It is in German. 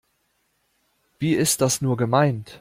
Wie ist das nur gemeint?